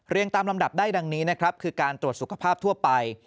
ตามลำดับได้ดังนี้นะครับคือการตรวจสุขภาพทั่วไป